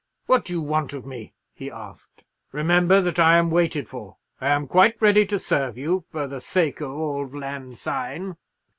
"What do you want of me?" he asked. "Remember that I am waited for. I am quite ready to serve you—for the sake of 'auld lang syne!'"